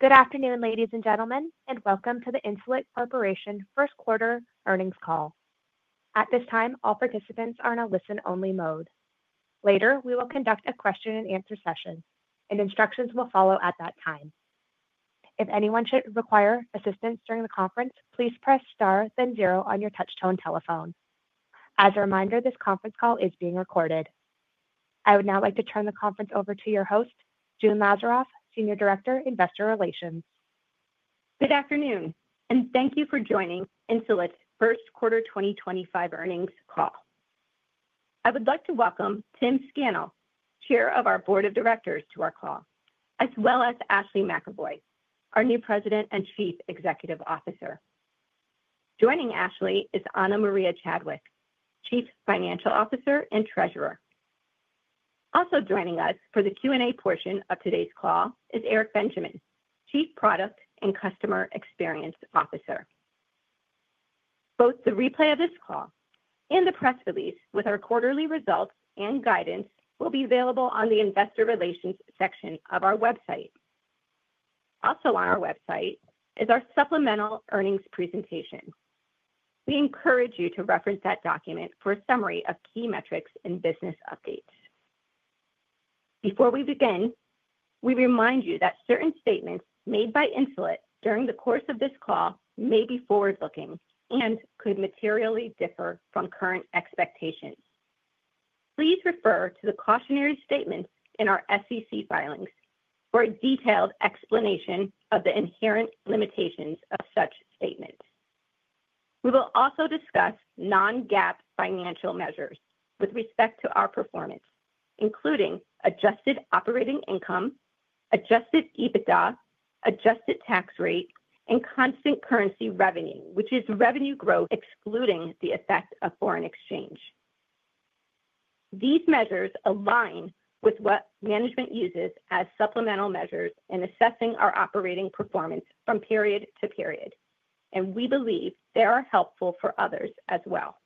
Good afternoon, ladies and gentlemen, and welcome to the Insulet Corporation first quarter earnings call. At this time, all participants are in a listen-only mode. Later, we will conduct a question-and-answer session, and instructions will follow at that time. If anyone should require assistance during the conference, please press star, then zero on your touch-tone telephone. As a reminder, this conference call is being recorded. I would now like to turn the conference over to your host, June Lazaroff, Senior Director, Investor Relations. Good afternoon, and thank you for joining Insulet's first quarter 2025 earnings call. I would like to welcome Tim Scannell, Chair of our Board of Directors, to our call, as well as Ashley McEvoy, our new President and Chief Executive Officer. Joining Ashley is Ana Maria Chadwick, Chief Financial Officer and Treasurer. Also joining us for the Q&A portion of today's call is Eric Benjamin, Chief Product and Customer Experience Officer. Both the replay of this call and the press release with our quarterly results and guidance will be available on the Investor Relations section of our website. Also on our website is our supplemental earnings presentation. We encourage you to reference that document for a summary of key metrics and business updates. Before we begin, we remind you that certain statements made by Insulet during the course of this call may be forward-looking and could materially differ from current expectations. Please refer to the cautionary statements in our SEC filings for a detailed explanation of the inherent limitations of such statements. We will also discuss non-GAAP financial measures with respect to our performance, including adjusted operating income, adjusted EBITDA, adjusted tax rate, and constant currency revenue, which is revenue growth excluding the effect of foreign exchange. These measures align with what management uses as supplemental measures in assessing our operating performance from period to period, and we believe they are helpful for others as well.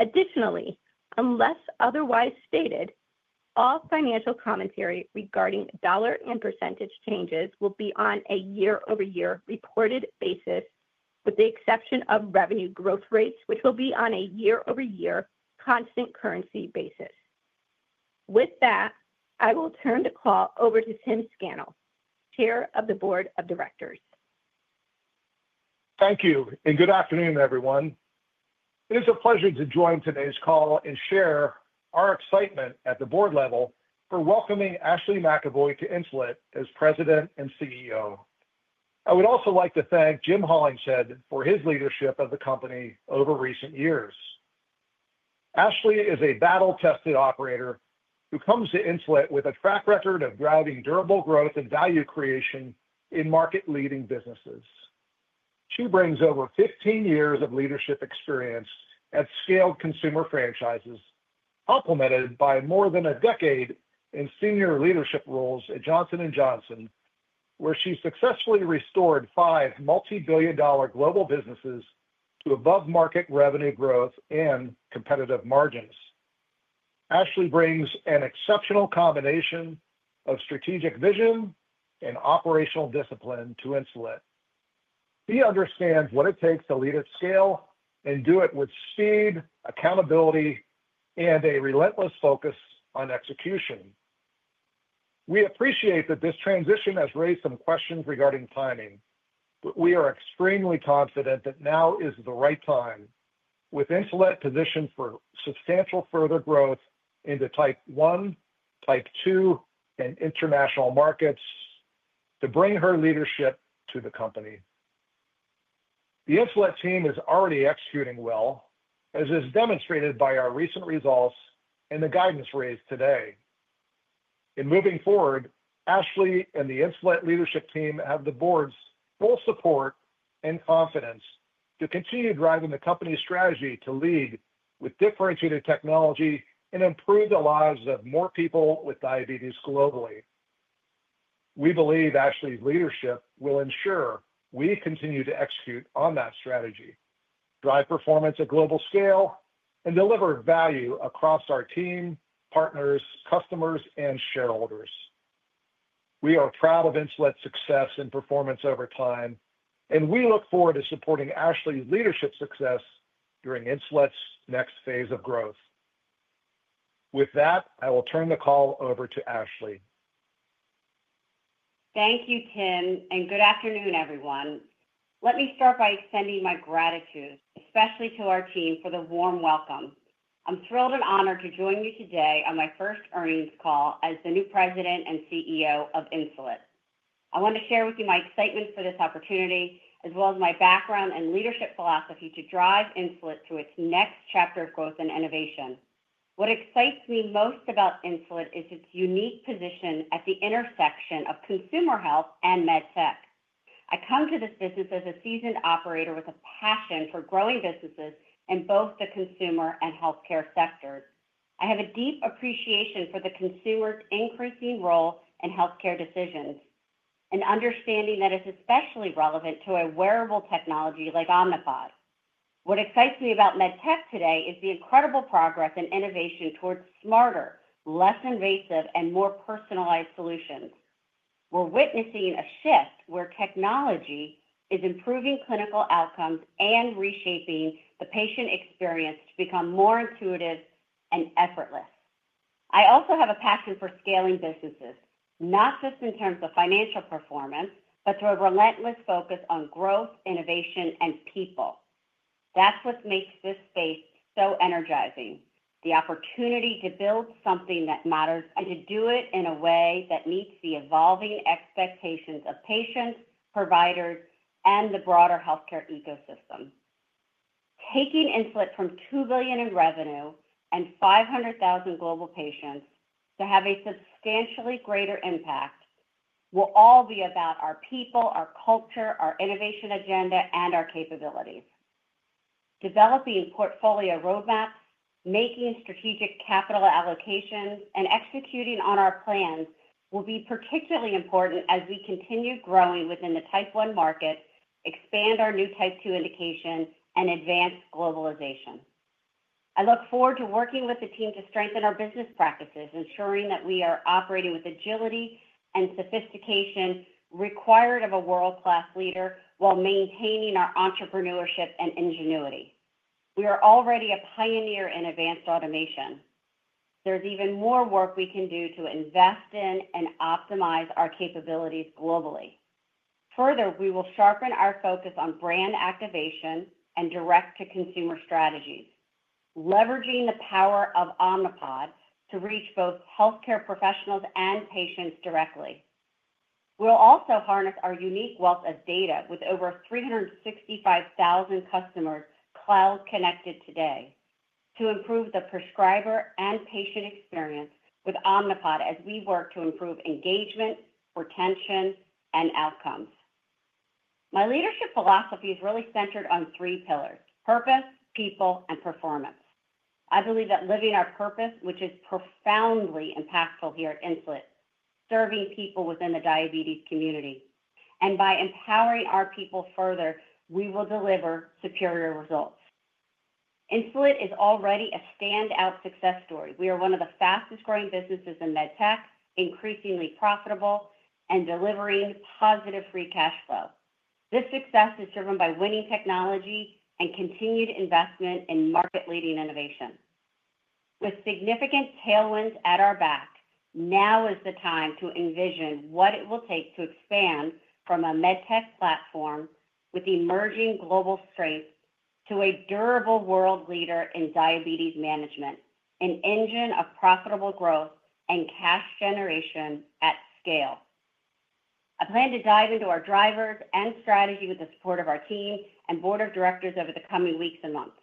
Additionally, unless otherwise stated, all financial commentary regarding dollar and percentage changes will be on a year-over-year reported basis, with the exception of revenue growth rates, which will be on a year-over-year constant currency basis. With that, I will turn the call over to Tim Scannell, Chair of the Board of Directors. Thank you, and good afternoon, everyone. It is a pleasure to join today's call and share our excitement at the board level for welcoming Ashley McEvoy to Insulet as President and CEO. I would also like to thank Jim Hollingshead for his leadership of the company over recent years. Ashley is a battle-tested operator who comes to Insulet with a track record of driving durable growth and value creation in market-leading businesses. She brings over 15 years of leadership experience at scaled consumer franchises, complemented by more than a decade in senior leadership roles at Johnson & Johnson, where she successfully restored five multi-billion-dollar global businesses to above-market revenue growth and competitive margins. Ashley brings an exceptional combination of strategic vision and operational discipline to Insulet. She understands what it takes to lead at scale and do it with speed, accountability, and a relentless focus on execution. We appreciate that this transition has raised some questions regarding timing, but we are extremely confident that now is the right time, with Insulet positioned for substantial further growth into Type 1, Type 2, and international markets to bring her leadership to the company. The Insulet team is already executing well, as is demonstrated by our recent results and the guidance raised today. In moving forward, Ashley and the Insulet leadership team have the board's full support and confidence to continue driving the company's strategy to lead with differentiated technology and improve the lives of more people with diabetes globally. We believe Ashley's leadership will ensure we continue to execute on that strategy, drive performance at global scale, and deliver value across our team, partners, customers, and shareholders. We are proud of Insulet's success and performance over time, and we look forward to supporting Ashley's leadership success during Insulet's next phase of growth. With that, I will turn the call over to Ashley. Thank you, Tim, and good afternoon, everyone. Let me start by extending my gratitude, especially to our team, for the warm welcome. I'm thrilled and honored to join you today on my first earnings call as the new President and CEO of Insulet. I want to share with you my excitement for this opportunity, as well as my background and leadership philosophy to drive Insulet to its next chapter of growth and innovation. What excites me most about Insulet is its unique position at the intersection of consumer health and MedTech. I come to this business as a seasoned operator with a passion for growing businesses in both the consumer and healthcare sectors. I have a deep appreciation for the consumer's increasing role in healthcare decisions and understanding that it's especially relevant to a wearable technology like Omnipod. What excites me about MedTech today is the incredible progress and innovation towards smarter, less invasive, and more personalized solutions. We're witnessing a shift where technology is improving clinical outcomes and reshaping the patient experience to become more intuitive and effortless. I also have a passion for scaling businesses, not just in terms of financial performance, but through a relentless focus on growth, innovation, and people. That's what makes this space so energizing: the opportunity to build something that matters and to do it in a way that meets the evolving expectations of patients, providers, and the broader healthcare ecosystem. Taking Insulet from $2 billion in revenue and 500,000 global patients to have a substantially greater impact will all be about our people, our culture, our innovation agenda, and our capabilities. Developing portfolio roadmaps, making strategic capital allocations, and executing on our plans will be particularly important as we continue growing within the Type 1 market, expand our new Type 2 indication, and advance globalization. I look forward to working with the team to strengthen our business practices, ensuring that we are operating with agility and sophistication required of a world-class leader while maintaining our entrepreneurship and ingenuity. We are already a pioneer in advanced automation. There's even more work we can do to invest in and optimize our capabilities globally. Further, we will sharpen our focus on brand activation and direct-to-consumer strategies, leveraging the power of Omnipod to reach both healthcare professionals and patients directly. We'll also harness our unique wealth of data with over 365,000 customers cloud-connected today to improve the prescriber and patient experience with Omnipod as we work to improve engagement, retention, and outcomes. My leadership philosophy is really centered on three pillars: purpose, people, and performance. I believe that living our purpose, which is profoundly impactful here at Insulet, serving people within the diabetes community, and by empowering our people further, we will deliver superior results. Insulet is already a standout success story. We are one of the fastest-growing businesses in MedTech, increasingly profitable, and delivering positive free cash flow. This success is driven by winning technology and continued investment in market-leading innovation. With significant tailwinds at our back, now is the time to envision what it will take to expand from a MedTech platform with emerging global strengths to a durable world leader in diabetes management, an engine of profitable growth and cash generation at scale. I plan to dive into our drivers and strategy with the support of our team and board of directors over the coming weeks and months.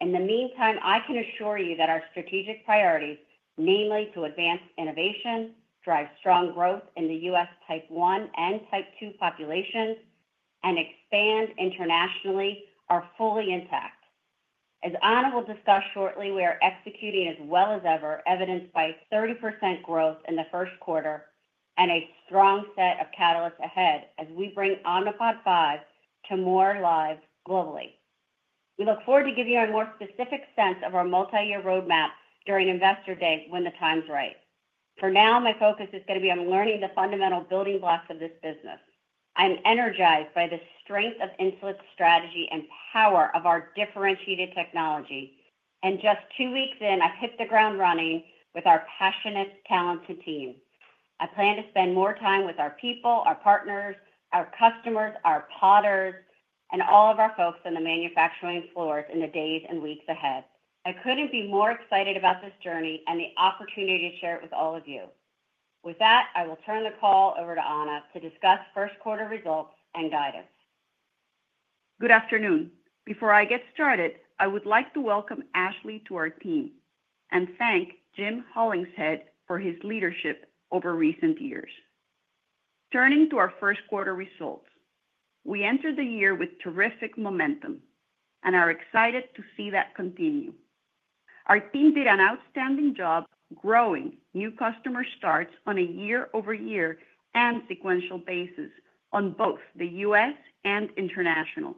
In the meantime, I can assure you that our strategic priorities, namely to advance innovation, drive strong growth in the U.S. Type 1 and Type 2 populations, and expand internationally, are fully intact. As Ana will discuss shortly, we are executing as well as ever, evidenced by 30% growth in the first quarter and a strong set of catalysts ahead as we bring Omnipod 5 to more lives globally. We look forward to giving you a more specific sense of our multi-year roadmap during Investor Day when the time's right. For now, my focus is going to be on learning the fundamental building blocks of this business. I'm energized by the strength of Insulet's strategy and power of our differentiated technology, and just two weeks in, I've hit the ground running with our passionate, talented team. I plan to spend more time with our people, our partners, our customers, our Podders, and all of our folks on the manufacturing floors in the days and weeks ahead. I couldn't be more excited about this journey and the opportunity to share it with all of you. With that, I will turn the call over to Ana to discuss first quarter results and guidance. Good afternoon. Before I get started, I would like to welcome Ashley to our team and thank Jim Hollingshead for his leadership over recent years. Turning to our first quarter results, we entered the year with terrific momentum, and I'm excited to see that continue. Our team did an outstanding job growing new customer starts on a year-over-year and sequential basis on both the U.S. and international.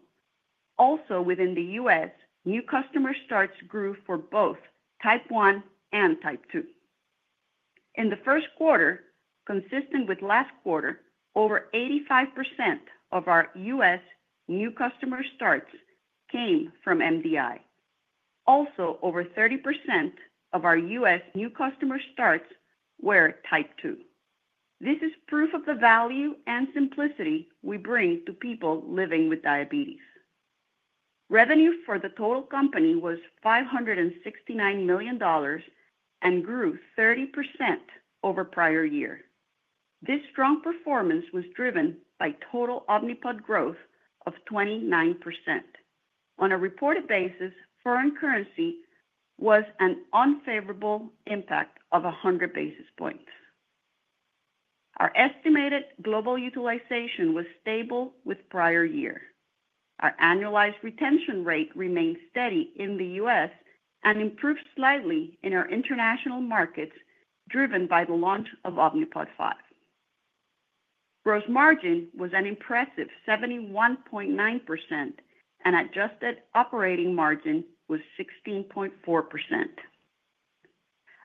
Also, within the U.S., new customer starts grew for both Type 1 and Type 2. In the first quarter, consistent with last quarter, over 85% of our U.S. new customer starts came from MDI. Also, over 30% of our U.S. new customer starts were Type 2. This is proof of the value and simplicity we bring to people living with diabetes. Revenue for the total company was $569 million and grew 30% over prior year. This strong performance was driven by total Omnipod growth of 29%. On a reported basis, foreign currency was an unfavorable impact of 100 basis points. Our estimated global utilization was stable with prior year. Our annualized retention rate remained steady in the U.S. and improved slightly in our international markets, driven by the launch of Omnipod 5. Gross margin was an impressive 71.9%, and adjusted operating margin was 16.4%.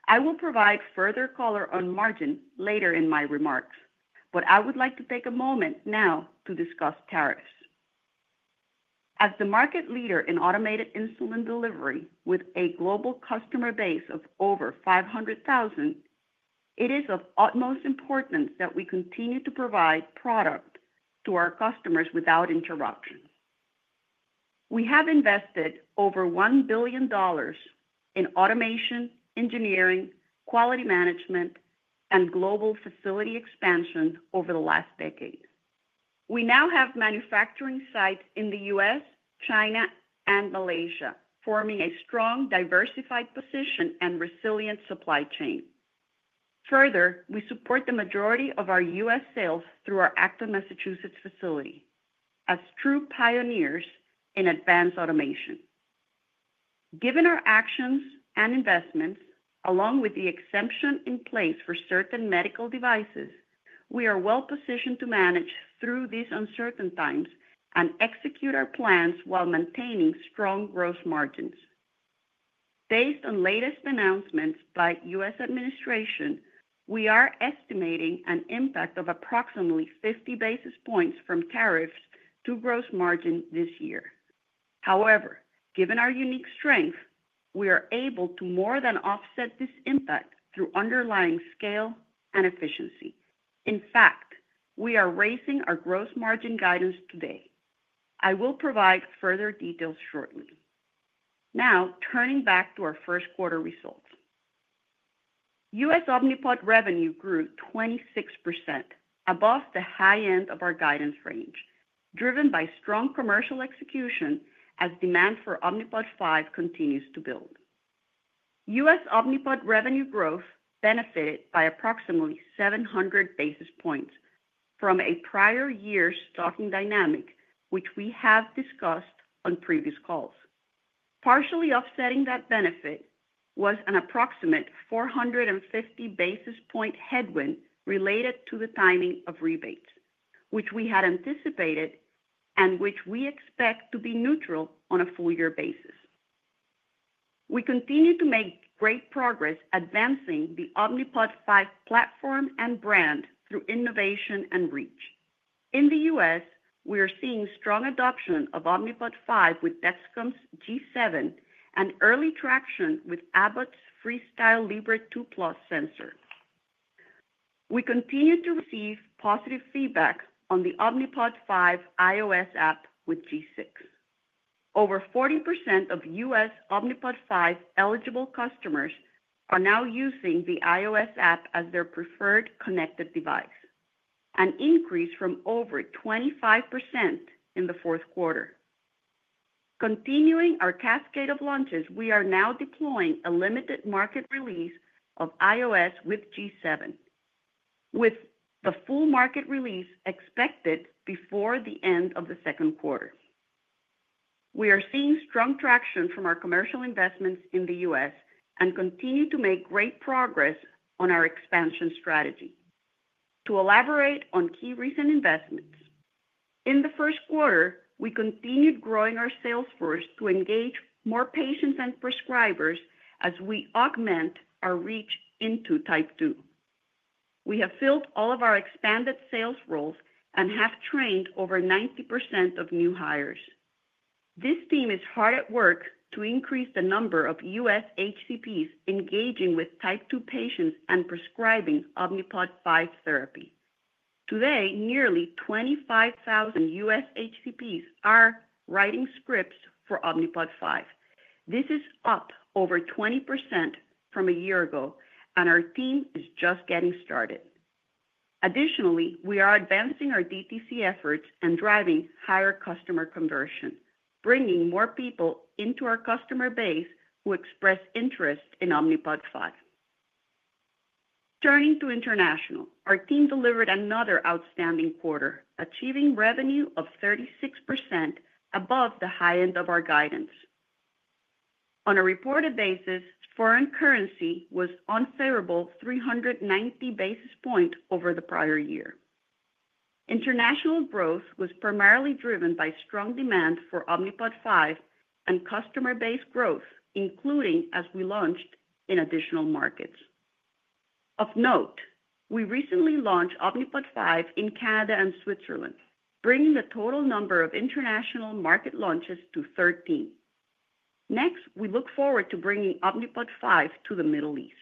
I will provide further color on margin later in my remarks, but I would like to take a moment now to discuss tariffs. As the market leader in automated insulin delivery with a global customer base of over 500,000, it is of utmost importance that we continue to provide product to our customers without interruption. We have invested over $1 billion in automation, engineering, quality management, and global facility expansion over the last decade. We now have manufacturing sites in the U.S., China, and Malaysia, forming a strong, diversified position and resilient supply chain. Further, we support the majority of our U.S. sales through our Acton, Massachusetts facility as true pioneers in advanced automation. Given our actions and investments, along with the exemption in place for certain medical devices, we are well-positioned to manage through these uncertain times and execute our plans while maintaining strong gross margins. Based on latest announcements by the U.S. administration, we are estimating an impact of approximately 50 basis points from tariffs to gross margin this year. However, given our unique strength, we are able to more than offset this impact through underlying scale and efficiency. In fact, we are raising our gross margin guidance today. I will provide further details shortly. Now, turning back to our first quarter results, U.S. Omnipod revenue grew 26% above the high end of our guidance range, driven by strong commercial execution as demand for Omnipod 5 continues to build. U.S. Omnipod revenue growth benefited by approximately 700 basis points from a prior year's stocking dynamic, which we have discussed on previous calls. Partially offsetting that benefit was an approximate 450 basis point headwind related to the timing of rebates, which we had anticipated and which we expect to be neutral on a full-year basis. We continue to make great progress advancing the Omnipod 5 platform and brand through innovation and reach. In the U.S., we are seeing strong adoption of Omnipod 5 with Dexcom's G7 and early traction with Abbott's FreeStyle Libre 2+ sensor. We continue to receive positive feedback on the Omnipod 5 iOS app with G6. Over 40% of U.S. Omnipod 5 eligible customers are now using the iOS app as their preferred connected device, an increase from over 25% in the fourth quarter. Continuing our cascade of launches, we are now deploying a limited market release of iOS with G7, with the full market release expected before the end of the second quarter. We are seeing strong traction from our commercial investments in the U.S. and continue to make great progress on our expansion strategy. To elaborate on key recent investments, in the first quarter, we continued growing our sales force to engage more patients and prescribers as we augment our reach into Type 2. We have filled all of our expanded sales roles and have trained over 90% of new hires. This team is hard at work to increase the number of U.S. HCPs engaging with Type 2 patients and prescribing Omnipod 5 therapy. Today, nearly 25,000 U.S. HCPs are writing scripts for Omnipod 5. This is up over 20% from a year ago, and our team is just getting started. Additionally, we are advancing our DTC efforts and driving higher customer conversion, bringing more people into our customer base who express interest in Omnipod 5. Turning to international, our team delivered another outstanding quarter, achieving revenue of 36% above the high end of our guidance. On a reported basis, foreign currency was unfavorable 390 basis points over the prior year. International growth was primarily driven by strong demand for Omnipod 5 and customer base growth, including as we launched in additional markets. Of note, we recently launched Omnipod 5 in Canada and Switzerland, bringing the total number of international market launches to 13. Next, we look forward to bringing Omnipod 5 to the Middle East.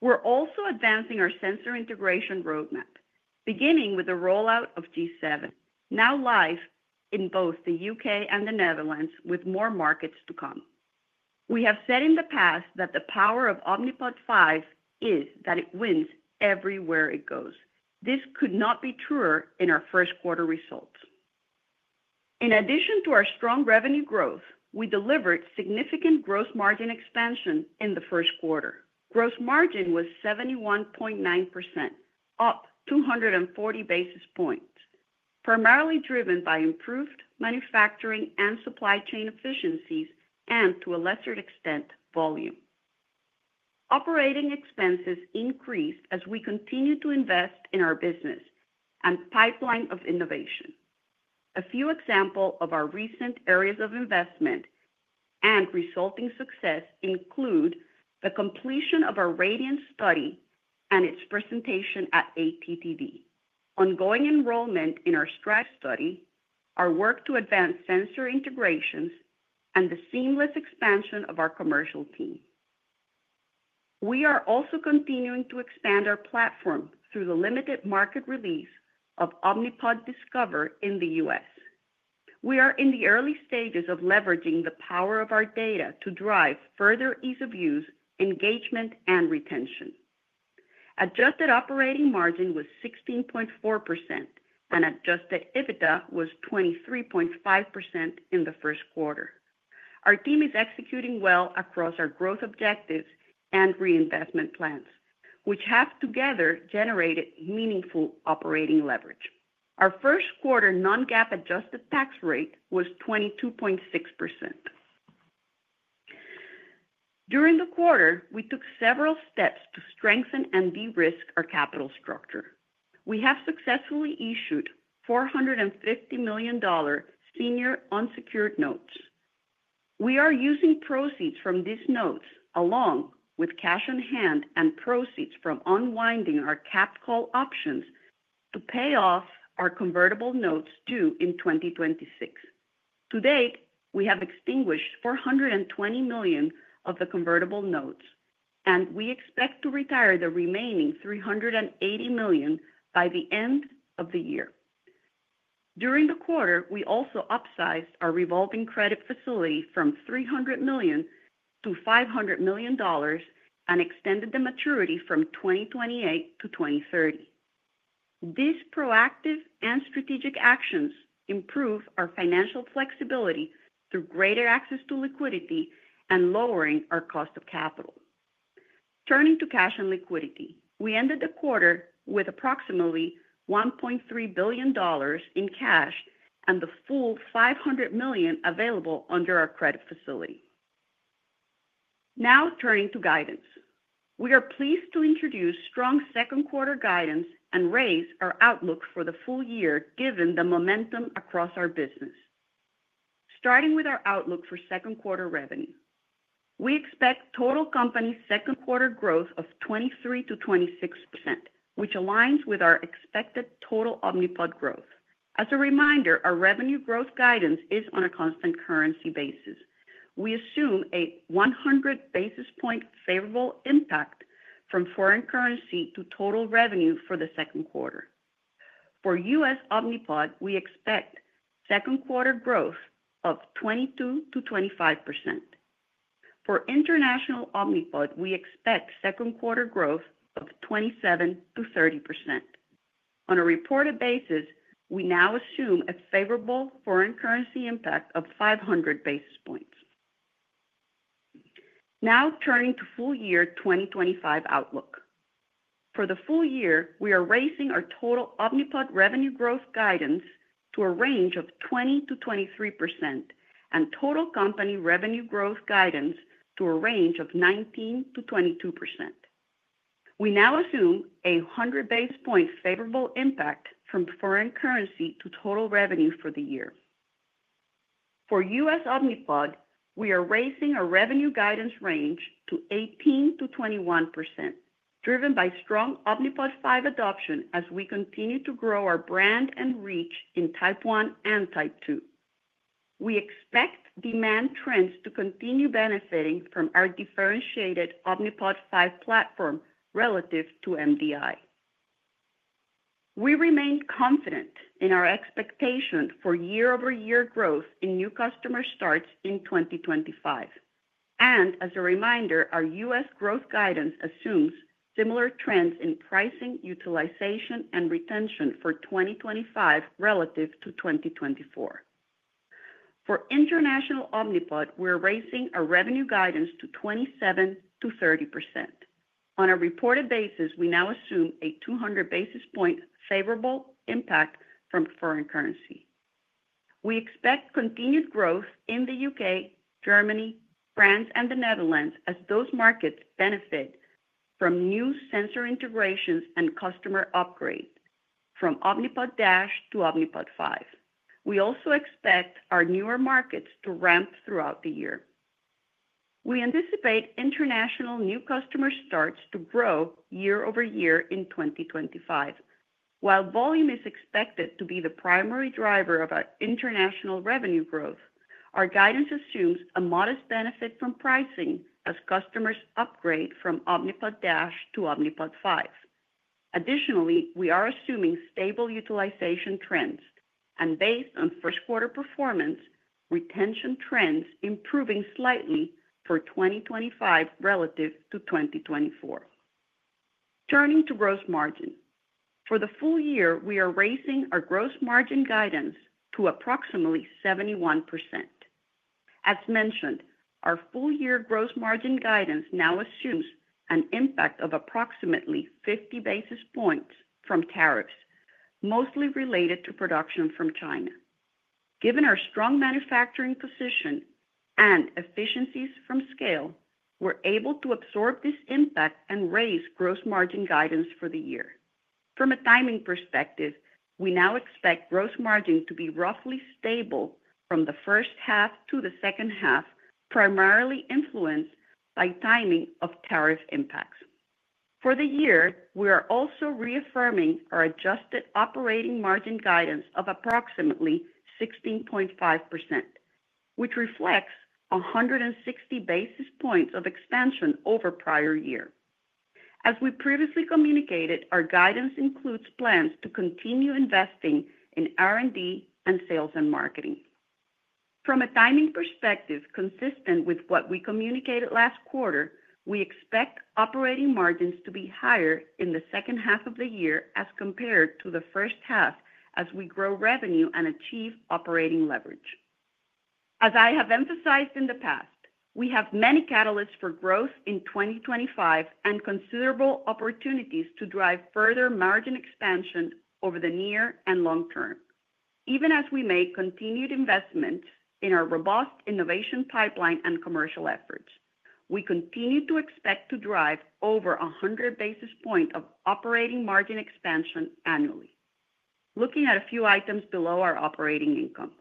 We're also advancing our sensor integration roadmap, beginning with the rollout of G7, now live in both the U.K. and the Netherlands with more markets to come. We have said in the past that the power of Omnipod 5 is that it wins everywhere it goes. This could not be truer in our first quarter results. In addition to our strong revenue growth, we delivered significant gross margin expansion in the first quarter. Gross margin was 71.9%, up 240 basis points, primarily driven by improved manufacturing and supply chain efficiencies and, to a lesser extent, volume. Operating expenses increased as we continue to invest in our business and pipeline of innovation. A few examples of our recent areas of investment and resulting success include the completion of our Radiance study and its presentation at ATTD, ongoing enrollment in our STRIDE study, our work to advance sensor integrations, and the seamless expansion of our commercial team. We are also continuing to expand our platform through the limited market release of Omnipod Discover in the U.S. We are in the early stages of leveraging the power of our data to drive further ease of use, engagement, and retention. Adjusted operating margin was 16.4%, and adjusted EBITDA was 23.5% in the first quarter. Our team is executing well across our growth objectives and reinvestment plans, which have together generated meaningful operating leverage. Our first quarter non-GAAP adjusted tax rate was 22.6%. During the quarter, we took several steps to strengthen and de-risk our capital structure. We have successfully issued $450 million senior unsecured notes. We are using proceeds from these notes, along with cash on hand and proceeds from unwinding our caped call options, to pay off our convertible notes due in 2026. To date, we have extinguished $420 million of the convertible notes, and we expect to retire the remaining $380 million by the end of the year. During the quarter, we also upsized our revolving credit facility from $300 million to $500 million and extended the maturity from 2028 to 2030. These proactive and strategic actions improve our financial flexibility through greater access to liquidity and lowering our cost of capital. Turning to cash and liquidity, we ended the quarter with approximately $1.3 billion in cash and the full $500 million available under our credit facility. Now, turning to guidance, we are pleased to introduce strong second quarter guidance and raise our outlook for the full year given the momentum across our business. Starting with our outlook for second quarter revenue, we expect total company second quarter growth of 23%-26%, which aligns with our expected total Omnipod growth. As a reminder, our revenue growth guidance is on a constant currency basis. We assume a 100 basis point favorable impact from foreign currency to total revenue for the second quarter. For U.S. Omnipod, we expect second quarter growth of 22%-25%. For international Omnipod, we expect second quarter growth of 27%-30%. On a reported basis, we now assume a favorable foreign currency impact of 500 basis points. Now, turning to full year 2025 outlook. For the full year, we are raising our total Omnipod revenue growth guidance to a range of 20%-23% and total company revenue growth guidance to a range of 19%-22%. We now assume a 100 basis points favorable impact from foreign currency to total revenue for the year. For U.S. Omnipod, we are raising our revenue guidance range to 18%-21%, driven by strong Omnipod 5 adoption as we continue to grow our brand and reach in Type 1 and Type 2. We expect demand trends to continue benefiting from our differentiated Omnipod 5 platform relative to MDI. We remain confident in our expectation for year-over-year growth in new customer starts in 2025. As a reminder, our U.S. growth guidance assumes similar trends in pricing, utilization, and retention for 2025 relative to 2024. For international Omnipod, we're raising our revenue guidance to 27%-30%. On a reported basis, we now assume a 200 basis points favorable impact from foreign currency. We expect continued growth in the U.K., Germany, France, and the Netherlands as those markets benefit from new sensor integrations and customer upgrades from Omnipod DASH to Omnipod 5. We also expect our newer markets to ramp throughout the year. We anticipate international new customer starts to grow year-over-year in 2025. While volume is expected to be the primary driver of our international revenue growth, our guidance assumes a modest benefit from pricing as customers upgrade from Omnipod DASH to Omnipod 5. Additionally, we are assuming stable utilization trends and, based on first quarter performance, retention trends improving slightly for 2025 relative to 2024. Turning to gross margin, for the full year, we are raising our gross margin guidance to approximately 71%. As mentioned, our full year gross margin guidance now assumes an impact of approximately 50 basis points from tariffs, mostly related to production from China. Given our strong manufacturing position and efficiencies from scale, we're able to absorb this impact and raise gross margin guidance for the year. From a timing perspective, we now expect gross margin to be roughly stable from the first half to the second half, primarily influenced by timing of tariff impacts. For the year, we are also reaffirming our adjusted operating margin guidance of approximately 16.5%, which reflects 160 basis points of expansion over prior year. As we previously communicated, our guidance includes plans to continue investing in R&D and sales and marketing. From a timing perspective consistent with what we communicated last quarter, we expect operating margins to be higher in the second half of the year as compared to the first half as we grow revenue and achieve operating leverage. As I have emphasized in the past, we have many catalysts for growth in 2025 and considerable opportunities to drive further margin expansion over the near and long term. Even as we make continued investments in our robust innovation pipeline and commercial efforts, we continue to expect to drive over 100 basis points of operating margin expansion annually. Looking at a few items below our operating income,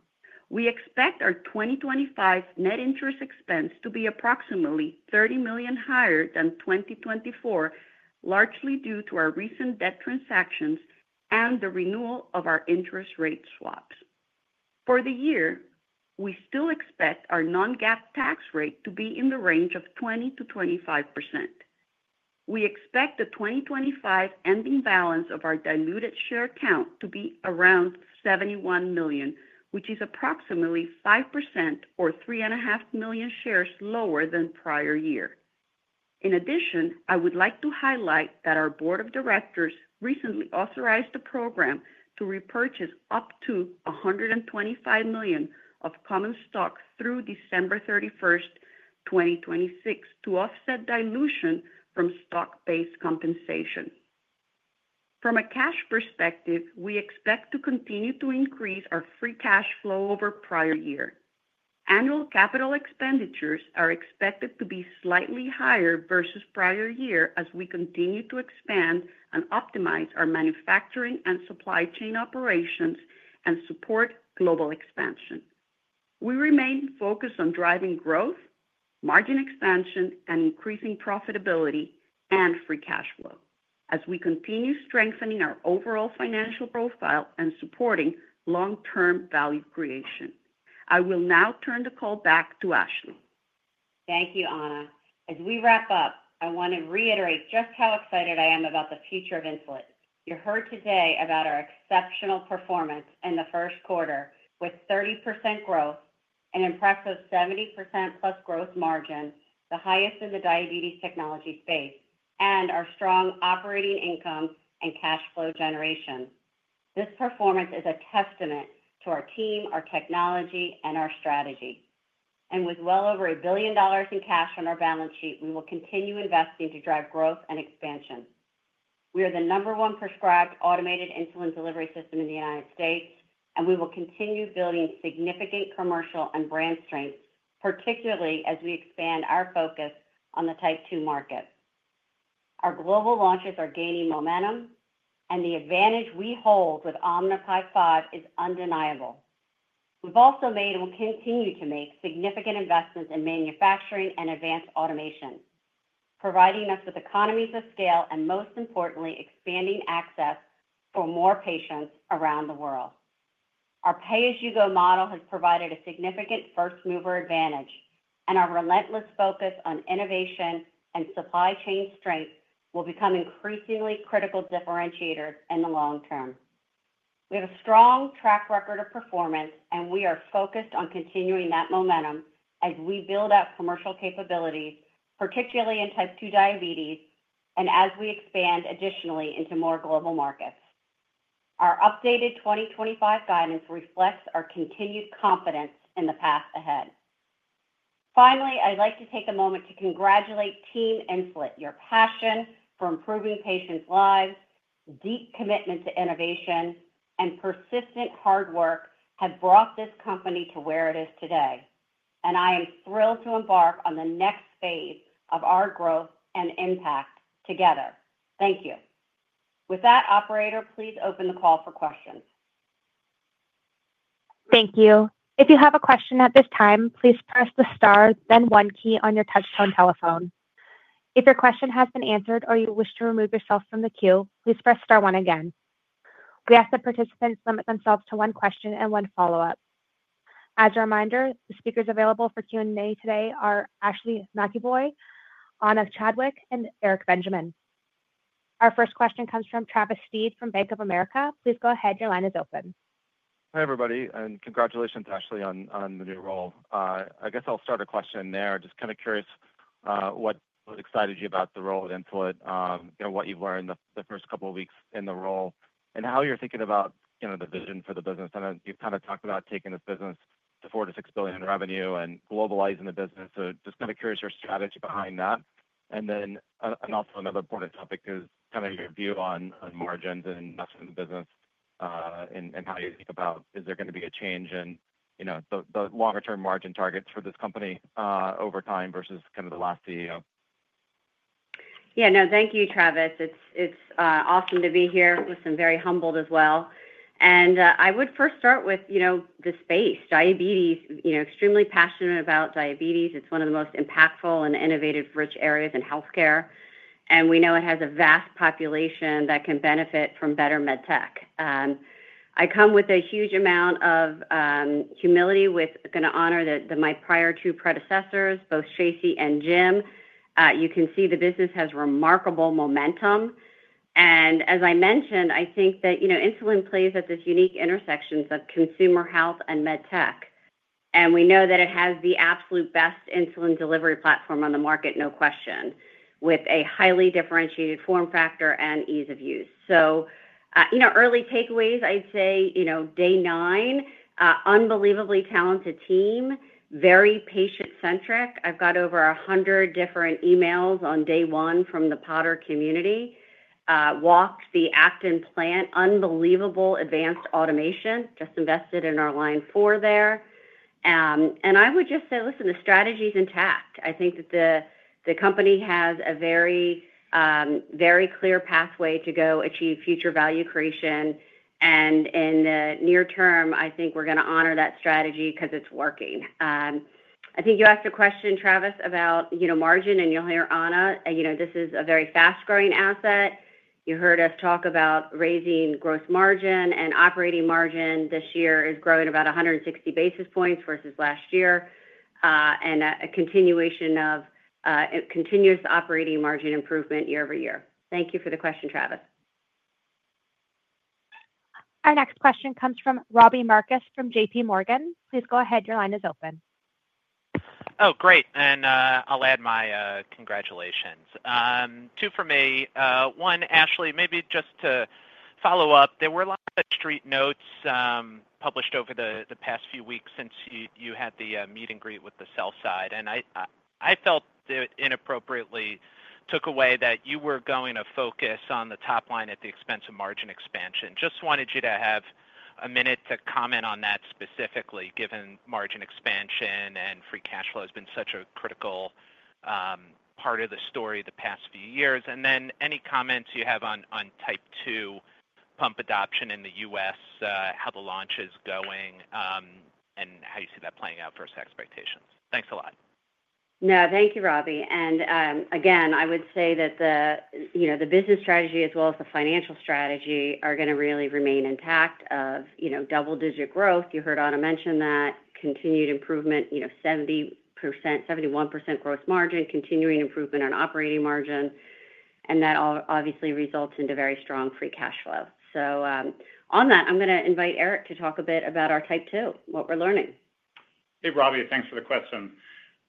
we expect our 2025 net interest expense to be approximately $30 million higher than 2024, largely due to our recent debt transactions and the renewal of our interest rate swaps. For the year, we still expect our non-GAAP tax rate to be in the range of 20%-25%. We expect the 2025 ending balance of our diluted share count to be around 71 million, which is approximately 5% or 3.5 million shares lower than prior year. In addition, I would like to highlight that our Board of Directors recently authorized the program to repurchase up to $125 million of common stock through December 31, 2026, to offset dilution from stock-based compensation. From a cash perspective, we expect to continue to increase our free cash flow over prior year. Annual capital expenditures are expected to be slightly higher versus prior year as we continue to expand and optimize our manufacturing and supply chain operations and support global expansion. We remain focused on driving growth, margin expansion, and increasing profitability and free cash flow as we continue strengthening our overall financial profile and supporting long-term value creation. I will now turn the call back to Ashley. Thank you, Ana. As we wrap up, I want to reiterate just how excited I am about the future of Insulet. You heard today about our exceptional performance in the first quarter with 30% growth, an impressive 70% plus gross margin, the highest in the diabetes technology space, and our strong operating income and cash flow generation. This performance is a testament to our team, our technology, and our strategy. With well over $1 billion in cash on our balance sheet, we will continue investing to drive growth and expansion. We are the number one prescribed automated insulin delivery system in the United States, and we will continue building significant commercial and brand strength, particularly as we expand our focus on the Type 2 market. Our global launches are gaining momentum, and the advantage we hold with Omnipod 5 is undeniable. We've also made and will continue to make significant investments in manufacturing and advanced automation, providing us with economies of scale and, most importantly, expanding access for more patients around the world. Our pay-as-you-go model has provided a significant first-mover advantage, and our relentless focus on innovation and supply chain strength will become increasingly critical differentiators in the long term. We have a strong track record of performance, and we are focused on continuing that momentum as we build out commercial capabilities, particularly in type 2 diabetes, and as we expand additionally into more global markets. Our updated 2025 guidance reflects our continued confidence in the path ahead. Finally, I'd like to take a moment to congratulate Team Insulet. Your passion for improving patients' lives, deep commitment to innovation, and persistent hard work have brought this company to where it is today. I am thrilled to embark on the next phase of our growth and impact together. Thank you. With that, Operator, please open the call for questions. Thank you. If you have a question at this time, please press the star, then one key on your touch-tone telephone. If your question has been answered or you wish to remove yourself from the queue, please press star one again. We ask that participants limit themselves to one question and one follow-up. As a reminder, the speakers available for Q&A today are Ashley McEvoy, Ana Chadwick, and Eric Benjamin. Our first question comes from Travis Steed from Bank of America. Please go ahead. Your line is open. Hi, everybody. And congratulations, Ashley, on the new role. I guess I'll start a question there. Just kind of curious what excited you about the role at Insulet, what you've learned the first couple of weeks in the role, and how you're thinking about the vision for the business. I know you've kind of talked about taking this business to $4-$6 billion in revenue and globalizing the business. So just kind of curious your strategy behind that. And then also another important topic is kind of your view on margins and investment in the business and how you think about, is there going to be a change in the longer-term margin targets for this company over time versus kind of the last CEO? Yeah, no, thank you, Travis. It's awesome to be here. I'm feeling very humbled as well. And I would first start with the space, diabetes. Extremely passionate about diabetes. It's one of the most impactful and innovative rich areas in healthcare. And we know it has a vast population that can benefit from better med tech. I come with a huge amount of humility with going to honor my prior two predecessors, both Shacey and Jim. You can see the business has remarkable momentum. And as I mentioned, I think that insulin plays at this unique intersection of consumer health and med tech. And we know that it has the absolute best insulin delivery platform on the market, no question, with a highly differentiated form factor and ease of use. So early takeaways, I'd say day nine, unbelievably talented team, very patient-centric. I've got over 100 different emails on day one from the Podder community. Walked the Acton plant, unbelievable advanced automation, just invested in our line four there. And I would just say, listen, the strategy is intact. I think that the company has a very, very clear pathway to go achieve future value creation, and in the near term, I think we're going to honor that strategy because it's working. I think you asked a question, Travis, about margin, and you'll hear Ana. This is a very fast-growing asset. You heard us talk about raising gross margin, and operating margin this year is growing about 160 basis points versus last year, and a continuous operating margin improvement year over year. Thank you for the question, Travis. Our next question comes from Robbie Marcus from JPMorgan. Please go ahead. Your line is open. Oh, great, and I'll add my congratulations. Too for me. One, Ashley, maybe just to follow up, there were a lot of street notes published over the past few weeks since you had the meet and greet with the sell side. I felt it inappropriately took away that you were going to focus on the top line at the expense of margin expansion. Just wanted you to have a minute to comment on that specifically, given margin expansion and free cash flow has been such a critical part of the story the past few years. And then any comments you have on Type II pump adoption in the U.S., how the launch is going, and how you see that playing out versus expectations. Thanks a lot. No, thank you, Robbie. And again, I would say that the business strategy, as well as the financial strategy, are going to really remain intact of double-digit growth. You heard Ana mention that continued improvement, 71% gross margin, continuing improvement on operating margin. And that obviously results in a very strong free cash flow. So on that, I'm going to invite Eric to talk a bit about our Type 2, what we're learning. Hey, Robbie, thanks for the question.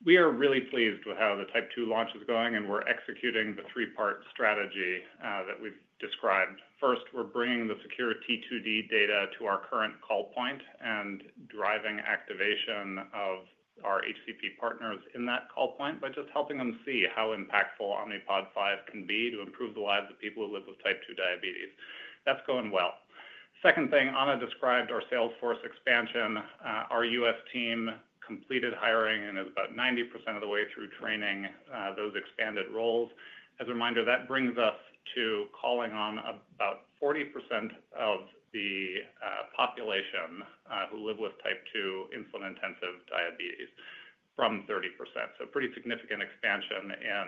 We are really pleased with how the Type 2 launch is going, and we're executing the three-part strategy that we've described. First, we're bringing the SECURE-T2D data to our current call point and driving activation of our HCP partners in that call point by just helping them see how impactful Omnipod 5 can be to improve the lives of people who live with Type 2 diabetes. That's going well. Second thing, Ana described our sales force expansion. Our U.S. team completed hiring and is about 90% of the way through training those expanded roles. As a reminder, that brings us to calling on about 40% of the population who live with Type 2 insulin-intensive diabetes from 30%. So pretty significant expansion in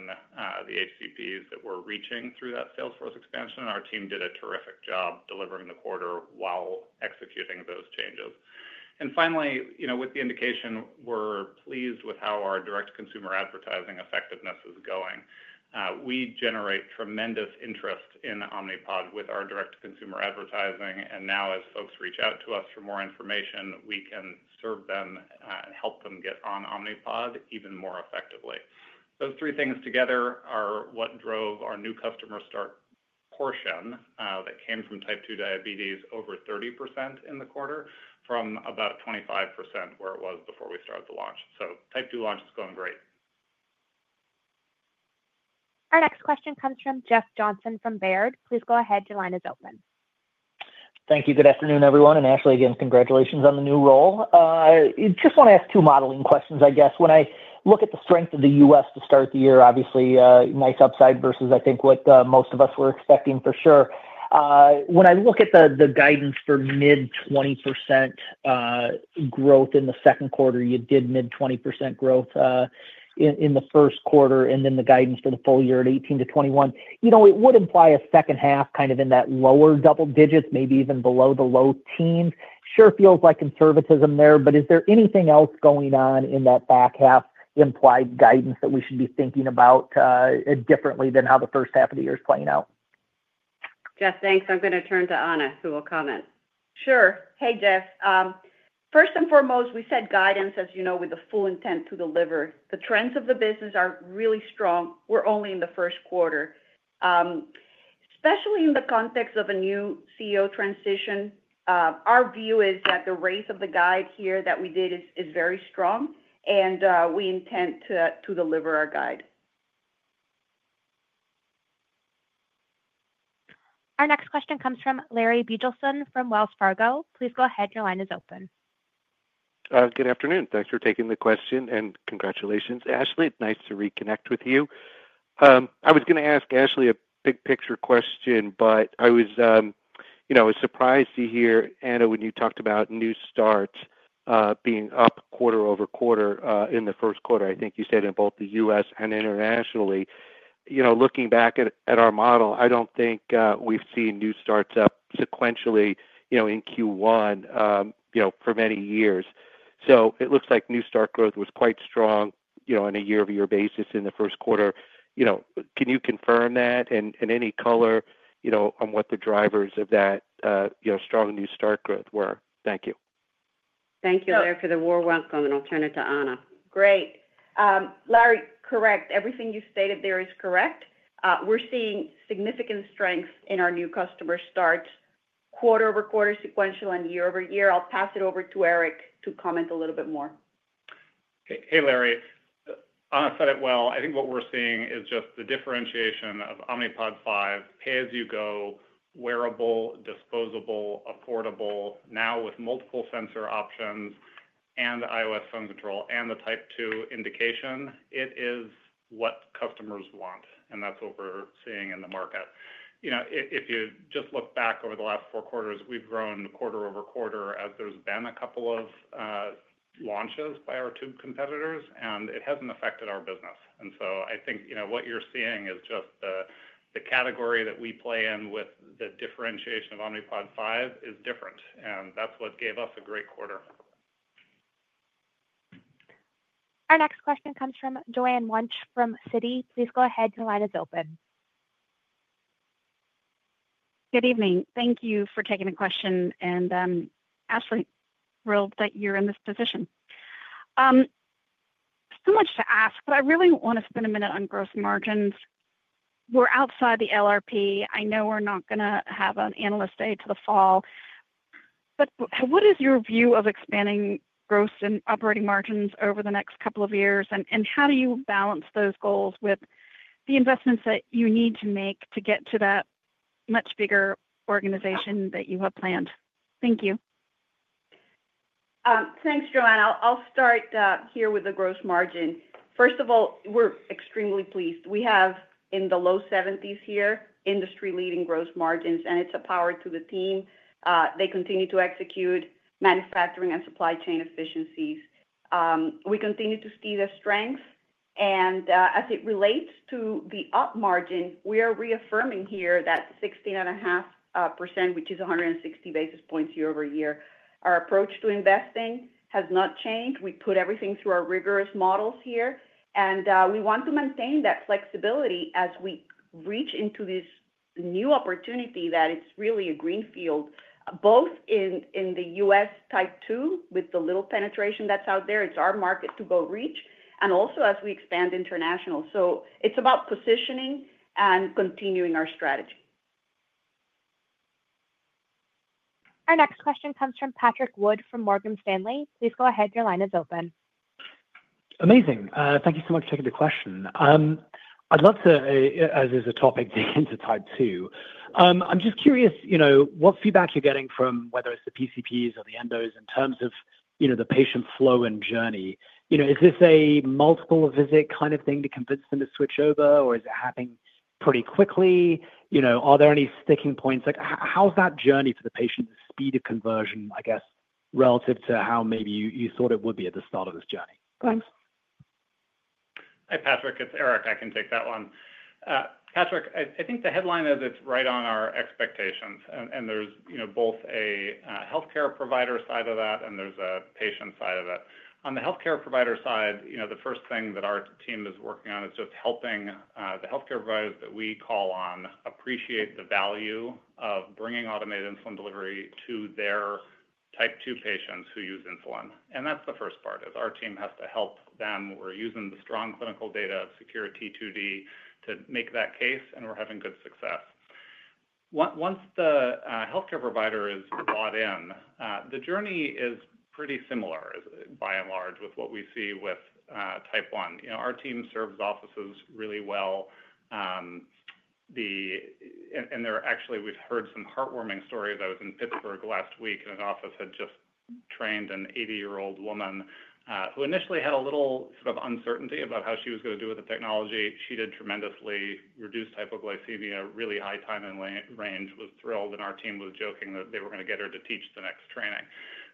the HCPs that we're reaching through that Sales force expansion. Our team did a terrific job delivering the quarter while executing those changes. And finally, with the indication, we're pleased with how our direct-to-consumer advertising effectiveness is going. We generate tremendous interest in Omnipod with our direct-to-consumer advertising. And now, as folks reach out to us for more information, we can serve them and help them get on Omnipod even more effectively. Those three things together are what drove our new customer start portion that came from Type 2 diabetes over 30% in the quarter from about 25% where it was before we started the launch. So Type 2 launch is going great. Our next question comes from Jeff Johnson from Baird. Please go ahead. Your line is open. Thank you. Good afternoon, everyone. And Ashley, again, congratulations on the new role. I just want to ask two modeling questions, I guess. When I look at the strength of the U.S. to start the year, obviously, nice upside versus I think what most of us were expecting for sure. When I look at the guidance for mid-20% growth in the second quarter, you did mid-20% growth in the first quarter, and then the guidance for the full year at 18%-21%. It would imply a second half kind of in that lower double digits, maybe even below the low teens. Sure feels like conservatism there, but is there anything else going on in that back half implied guidance that we should be thinking about differently than how the first half of the year is playing out? Jeff, thanks. I'm going to turn to Ana, who will comment. Sure. Hey, Jeff. First and foremost, we said guidance, as you know, with the full intent to deliver. The trends of the business are really strong. We're only in the first quarter. Especially in the context of a new CEO transition, our view is that the raise of the guide here that we did is very strong, and we intend to deliver our guide. Our next question comes from Larry Biegelsen from Wells Fargo. Please go ahead. Your line is open. Good afternoon. Thanks for taking the question, and congratulations, Ashley. It's nice to reconnect with you. I was going to ask Ashley a big-picture question, but I was surprised to hear, Ana, when you talked about new starts being up quarter over quarter in the first quarter, I think you said in both the U.S. and internationally. Looking back at our model, I don't think we've seen new starts up sequentially in Q1 for many years. So it looks like new start growth was quite strong on a year-over-year basis in the first quarter. Can you confirm that and any color on what the drivers of that strong new start growth were? Thank you. Thank you, Larry, for the warm welcome, and I'll turn it to Ana. Great. Larry, correct. Everything you stated there is correct. We're seeing significant strength in our new customer starts quarter over quarter sequential and year over year. I'll pass it over to Eric to comment a little bit more. Hey, Larry. Ana said it well. I think what we're seeing is just the differentiation of Omnipod 5, pay-as-you-go, wearable, disposable, affordable, now with multiple sensor options and iOS phone control and the Type II indication. It is what customers want, and that's what we're seeing in the market. If you just look back over the last four quarters, we've grown quarter over quarter as there's been a couple of launches by our two competitors, and it hasn't affected our business. And so I think what you're seeing is just the category that we play in with the differentiation of Omnipod 5 is different. And that's what gave us a great quarter. Our next question comes from Joanne Wuensch from Citi. Please go ahead. Your line is open. Good evening. Thank you for taking the question and, Ashley, thrilled that you're in this position. So much to ask, but I really want to spend a minute on gross margins. We're outside the LRP. I know we're not going to have an analyst day till the fall. But what is your view of expanding gross and operating margins over the next couple of years? And how do you balance those goals with the investments that you need to make to get to that much bigger organization that you have planned? Thank you. Thanks, Joanne. I'll start here with the gross margin. First of all, we're extremely pleased. We have in the low seventies here, industry-leading gross margins, and it's a power to the team. They continue to execute manufacturing and supply chain efficiencies. We continue to see the strength. And as it relates to the operating margin, we are reaffirming here that 16.5%, which is 160 basis points year over year. Our approach to investing has not changed. We put everything through our rigorous models here. And we want to maintain that flexibility as we reach into this new opportunity that it's really a greenfield, both in the U.S. Type II with the little penetration that's out there. It's our market to go reach and also as we expand international. So it's about positioning and continuing our strategy. Our next question comes from Patrick Wood from Morgan Stanley. Please go ahead. Your line is open. Amazing. Thank you so much for taking the question. I'd love to, as is the topic, dig into Type II. I'm just curious what feedback you're getting from whether it's the PCPs or the endos in terms of the patient flow and journey. Is this a multiple-visit kind of thing to convince them to switch over, or is it happening pretty quickly? Are there any sticking points? How's that journey for the patient, the speed of conversion, I guess, relative to how maybe you thought it would be at the start of this journey? Thanks. Hey, Patrick. It's Eric. I can take that one. Patrick, I think the headline of it's right on our expectations, and there's both a healthcare provider side of that and there's a patient side of it. On the healthcare provider side, the first thing that our team is working on is just helping the healthcare providers that we call on appreciate the value of bringing automated insulin delivery to their Type 2 patients who use insulin. And that's the first part, is our team has to help them. We're using the strong clinical data of Secure T2D to make that case, and we're having good success. Once the healthcare provider is bought in, the journey is pretty similar by and large with what we see with Type 1. Our team serves offices really well, and actually, we've heard some heartwarming stories. I was in Pittsburgh last week, and an office had just trained an 80-year-old woman who initially had a little sort of uncertainty about how she was going to do with the technology. She did tremendously reduce hypoglycemia, really high time in range, was thrilled, and our team was joking that they were going to get her to teach the next training,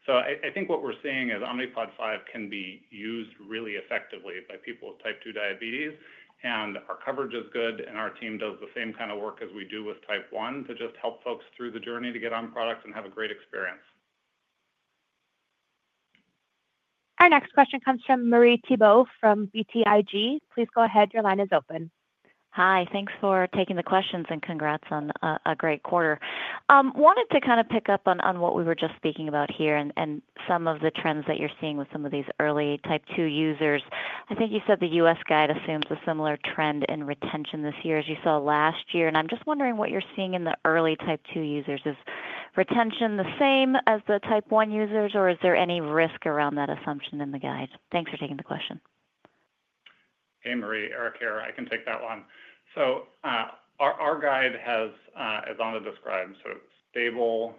so I think what we're seeing is Omnipod 5 can be used really effectively by people with Type 2 diabetes. And our coverage is good, and our team does the same kind of work as we do with Type 1 to just help folks through the journey to get on product and have a great experience. Our next question comes from Marie Thibault from BTIG. Please go ahead. Your line is open. Hi. Thanks for taking the questions and congrats on a great quarter. Wanted to kind of pick up on what we were just speaking about here and some of the trends that you're seeing with some of these early Type 2 users. I think you said the U.S. guide assumes a similar trend in retention this year as you saw last year. And I'm just wondering what you're seeing in the early Type 2 users. Is retention the same as the Type 1 users, or is there any risk around that assumption in the guide? Thanks for taking the question. Hey, Marie. Eric, Eric, I can take that one. So our guide has, as Ana described, so stable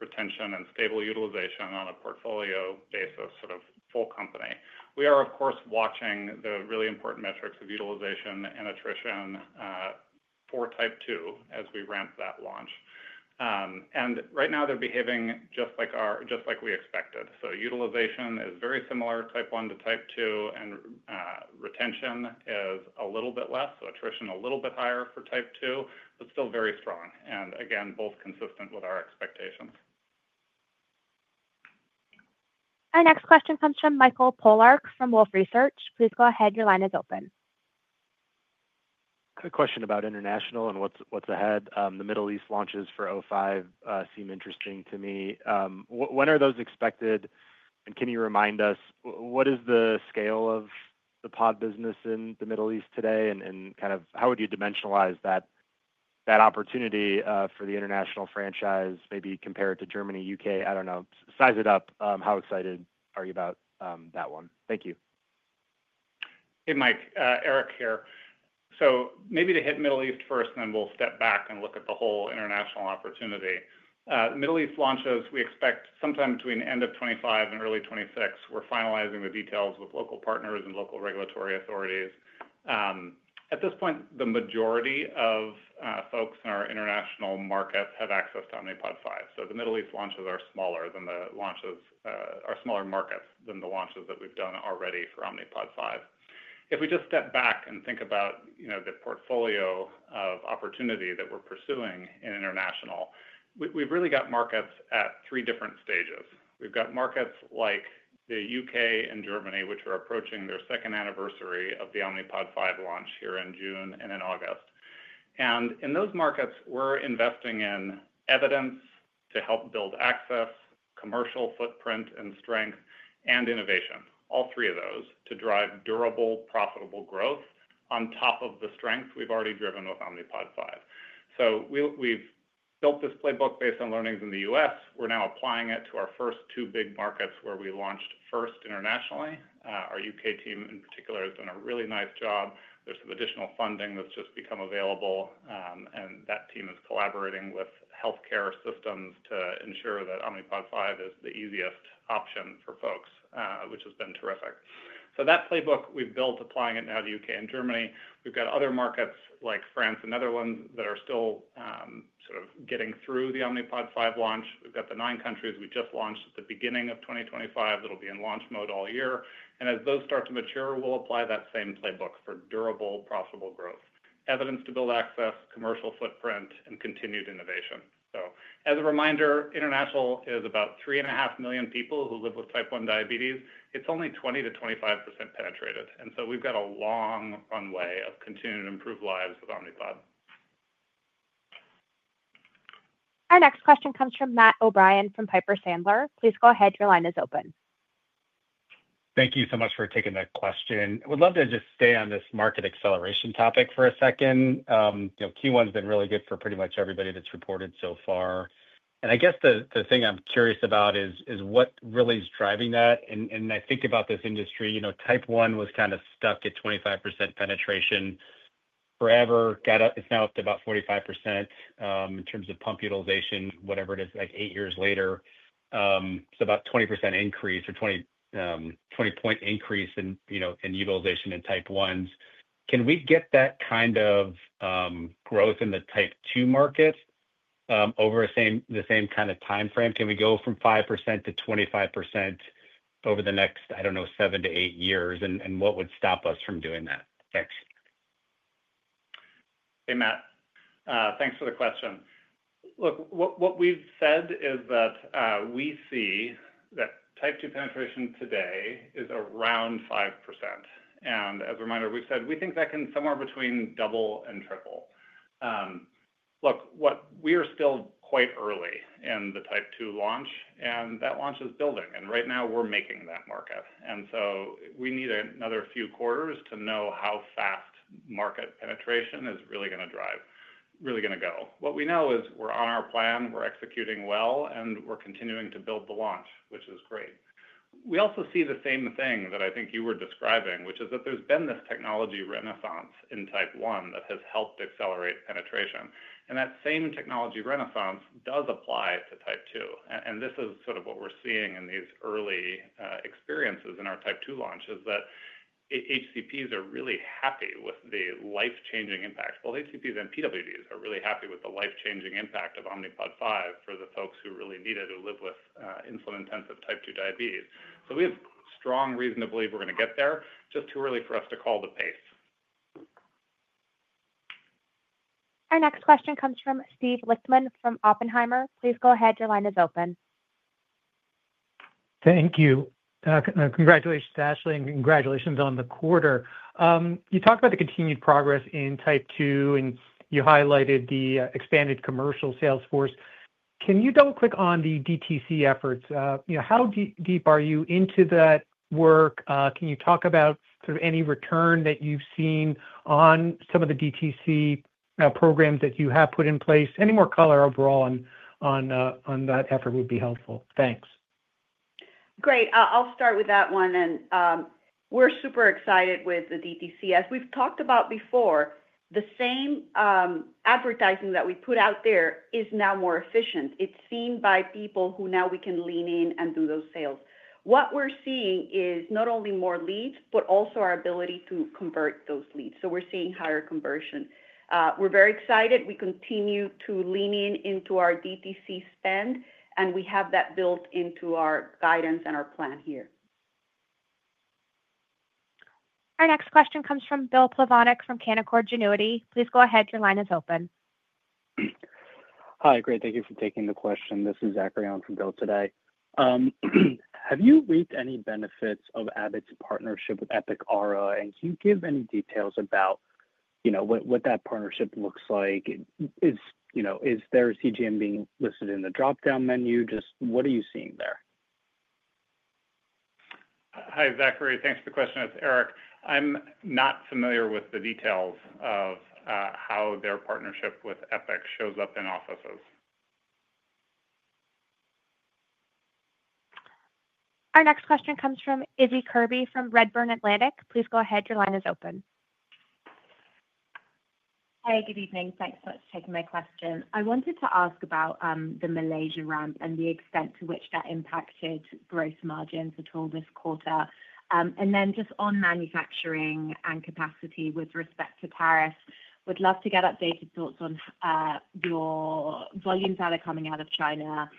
retention and stable utilization on a portfolio basis, sort of full company. We are, of course, watching the really important metrics of utilization and attrition for Type II as we ramp that launch. And right now, they're behaving just like we expected. So utilization is very similar Type I to Type II, and retention is a little bit less, so attrition a little bit higher for Type II, but still very strong. And again, both consistent with our expectations. Our next question comes from Michael Polark from Wolfe Research. Please go ahead. Your line is open. Quick question about international and what's ahead. The Middle East launches for '05 seem interesting to me. When are those expected, and can you remind us what is the scale of the pod business in the Middle East today? And kind of how would you dimensionalize that opportunity for the international franchise, maybe compared to Germany, UK? I don't know. Size it up. How excited are you about that one? Thank you. Hey, Mike. Eric here. So maybe to hit Middle East first, then we'll step back and look at the whole international opportunity. Middle East launches, we expect sometime between end of 2025 and early 2026. We're finalizing the details with local partners and local regulatory authorities. At this point, the majority of folks in our international markets have access to Omnipod 5. So the Middle East launches are smaller markets than the launches that we've done already for Omnipod 5. If we just step back and think about the portfolio of opportunity that we're pursuing in international, we've really got markets at three different stages. We've got markets like the U.K. and Germany, which are approaching their second anniversary of the Omnipod 5 launch here in June and in August, and in those markets, we're investing in evidence to help build access, commercial footprint and strength, and innovation, all three of those to drive durable, profitable growth on top of the strength we've already driven with Omnipod 5. So we've built this playbook based on learnings in the U.S. We're now applying it to our first two big markets where we launched first internationally. Our U.K. team, in particular, has done a really nice job. There's some additional funding that's just become available, and that team is collaborating with healthcare systems to ensure that Omnipod 5 is the easiest option for folks, which has been terrific. So that playbook we've built, applying it now to U.K. and Germany. We've got other markets like France and Netherlands that are still sort of getting through the Omnipod 5 launch. We've got the nine countries we just launched at the beginning of 2025 that will be in launch mode all year, and as those start to mature, we'll apply that same playbook for durable, profitable growth, evidence to build access, commercial footprint, and continued innovation. So as a reminder, international is about 3.5 million people who live with Type 1 diabetes. It's only 20% to 25% penetrated. And so we've got a long runway of continuing to improve lives with Omnipod. Our next question comes from Matt O'Brien from Piper Sandler. Please go ahead. Your line is open. Thank you so much for taking that question. I would love to just stay on this market acceleration topic for a second. Q1 has been really good for pretty much everybody that's reported so far. And I guess the thing I'm curious about is what really is driving that. And I think about this industry. Type I was kind of stuck at 25% penetration forever. It's now up to about 45% in terms of pump utilization, whatever it is, like eight years later. It's about a 20% increase or 20-point increase in utilization in Type Is. Can we get that kind of growth in the Type II market over the same kind of time frame? Can we go from 5% to 25% over the next, I don't know, seven to eight years? And what would stop us from doing that? Thanks. Hey, Matt. Thanks for the question. Look, what we've said is that we see that Type 2 penetration today is around 5%. And as a reminder, we've said we think that can somewhere between double and triple. Look, we are still quite early in the Type 2 launch, and that launch is building. And right now, we're making that market. And so we need another few quarters to know how fast market penetration is really going to drive, really going to go. What we know is we're on our plan, we're executing well, and we're continuing to build the launch, which is great. We also see the same thing that I think you were describing, which is that there's been this technology renaissance in Type 1 that has helped accelerate penetration. And that same technology renaissance does apply to Type 2. This is sort of what we're seeing in these early experiences in our Type II launch: that HCPs are really happy with the life-changing impact. Both HCPs and PWDs are really happy with the life-changing impact of Omnipod 5 for the folks who really need it who live with insulin-intensive Type II diabetes. We have strong reason to believe we're going to get there. Just too early for us to call the pace. Our next question comes from Steve Lichtman from Oppenheimer. Please go ahead. Your line is open. Thank you. Congratulations, Ashley, and congratulations on the quarter. You talked about the continued progress in Type II, and you highlighted the expanded commercial sales force. Can you double-click on the DTC efforts? How deep are you into that work? Can you talk about sort of any return that you've seen on some of the DTC programs that you have put in place? Any more color overall on that effort would be helpful. Thanks. Great. I'll start with that one. And we're super excited with the DTC. As we've talked about before, the same advertising that we put out there is now more efficient. It's seen by people who now we can lean in and do those sales. What we're seeing is not only more leads, but also our ability to convert those leads. So we're seeing higher conversion. We're very excited. We continue to lean into our DTC spend, and we have that built into our guidance and our plan here. Our next question comes from Bill Plovanic from Canaccord Genuity. Please go ahead. Your line is open. Hi. Great. Thank you for taking the question. This is Zachary Owen from Canaccord Genuity. Have you reaped any benefits of Abbott's partnership with Epic EHR? And can you give any details about what that partnership looks like? Is their CGM being listed in the dropdown menu? Just what are you seeing there? Hi, Zachary. Thanks for the question. It's Eric. I'm not familiar with the details of how their partnership with Epic shows up in offices. Our next question comes from Izzy Kirby from Redburn Atlantic. Please go ahead. Your line is open. Hi. Good evening. Thanks so much for taking my question. I wanted to ask about the Malaysia ramp and the extent to which that impacted gross margins at all this quarter. And then just on manufacturing and capacity with respect to tariffs, would love to get updated thoughts on your volumes that are coming out of China,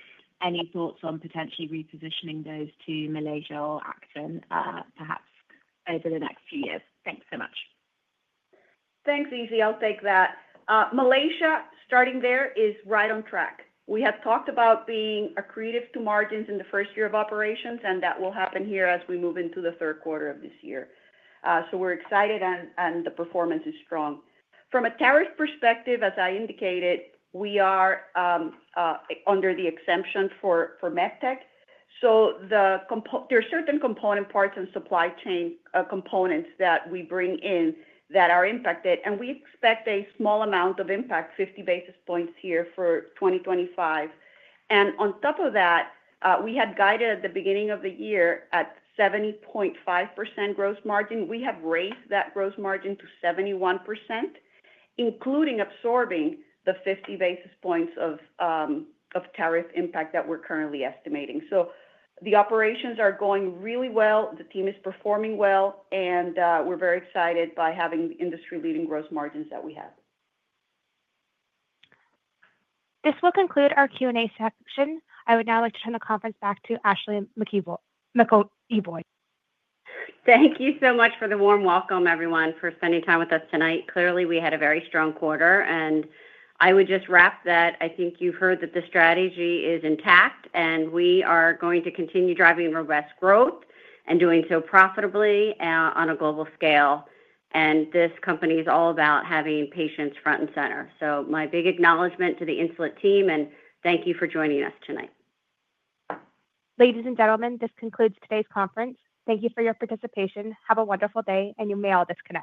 any thoughts on potentially repositioning those to Malaysia or Acton, perhaps over the next few years. Thanks so much. Thanks, Izzy. I'll take that. Malaysia, starting there, is right on track. We have talked about being accretive to margins in the first year of operations, and that will happen here as we move into the third quarter of this year. So we're excited, and the performance is strong. From a tariff perspective, as I indicated, we are under the exemption for MedTech. So there are certain component parts and supply chain components that we bring in that are impacted. And we expect a small amount of impact, 50 basis points here for 2025. And on top of that, we had guided at the beginning of the year at 70.5% gross margin. We have raised that gross margin to 71%, including absorbing the 50 basis points of tariff impact that we're currently estimating. So the operations are going really well. The team is performing well, and we're very excited by having the industry-leading gross margins that we have. This will conclude our Q&A section. I would now like to turn the conference back to Ashley McEvoy. Thank you so much for the warm welcome, everyone, for spending time with us tonight. Clearly, we had a very strong quarter. And I would just wrap that. I think you've heard that the strategy is intact, and we are going to continue driving robust growth and doing so profitably on a global scale. And this company is all about having patients front and center. My big acknowledgment to the Insulet team, and thank you for joining us tonight. Ladies and gentlemen, this concludes today's conference. Thank you for your participation. Have a wonderful day, and you may all disconnect.